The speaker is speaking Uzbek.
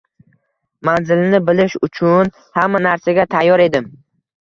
Manzilini bilish uchun hamma narsaga tayyor edim.